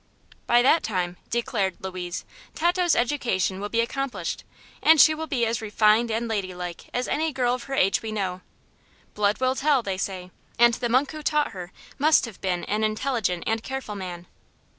"By that time," declared Louise, "Tato's education will be accomplished, and she will be as refined and ladylike as any girl of her age we know. Blood will tell, they say, and the monk who taught her must have been an intelligent and careful man."